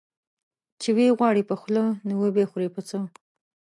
چي وې غواړې په خوله، نو وبې خورې په څه؟